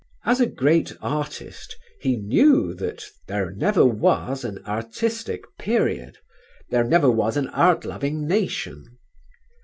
As a great artist he knew that "there never was an artistic period. There never was an Art loving nation."